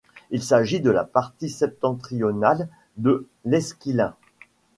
Il s'agit de la partie septentrionale de l'Esquilin.